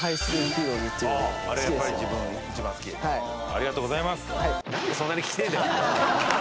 ありがとうございます！